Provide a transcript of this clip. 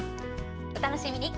お楽しみに。